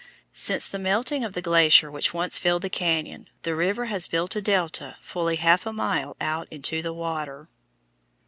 Since the melting of the glacier which once filled the cañon, the river has built a delta fully half a mile out into the water.